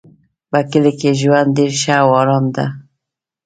په کلي کې ژوند ډېر ښه او آرام ده